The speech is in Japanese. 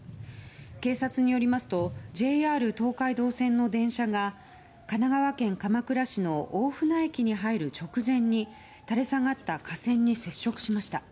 警察によりますとＪＲ東海道線の電車が神奈川県鎌倉市の大船駅に入る直前に垂れ下がった架線に接触しました。